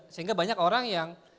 sehingga banyak orang yang